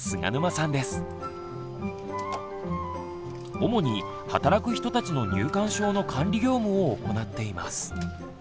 主に働く人たちの入館証の管理業務を行っています。